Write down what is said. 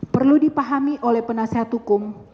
perlu dipahami oleh penasehat hukum